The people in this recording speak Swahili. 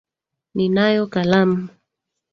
Ninayo kalamu.